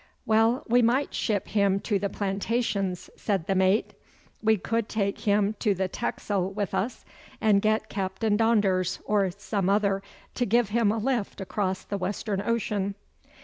'Well, we might ship him to the Plantations,' said the mate. 'We could take him to the Texel with us, and get Captain Donders or some other to give him a lift across the western ocean.